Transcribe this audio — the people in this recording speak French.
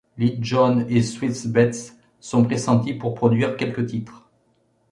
Lil Jon et Swizz Beatz sont pressentis pour produire quelques titres.